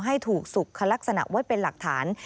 ให้ถูกสุขลักษณะไว้เป็นหลักฐาน